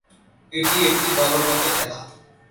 এটি একটি দলগত খেলা।